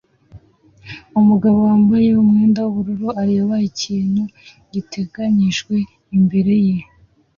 Umugabo wambaye umwenda wubururu areba ikintu giteganijwe imbere ye